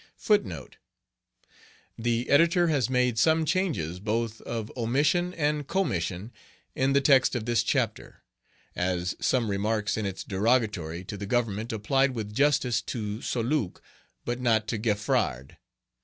The editor has made some changes both of omission and commission in the text of this chapter, as some remarks in its derogatory to the Government applied with justice to Soulouque but not to Geffrard.